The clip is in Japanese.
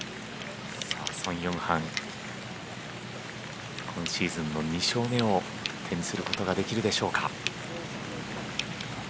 ソン・ヨンハン今シーズンの２勝目を手にすることができるでしょうか。